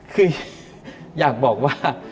คืออยากบอกว่า